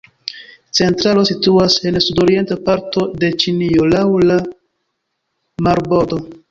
Centralo situas en sudorienta parto de Ĉinio laŭ la marbordo.